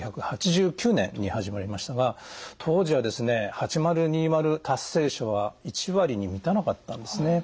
１９８９年に始まりましたが当時はですね８０２０達成者は１割に満たなかったんですね。